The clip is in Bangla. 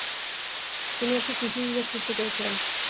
তিনি একটি কৃষি বিভাগ সৃষ্টি করেছিলেন।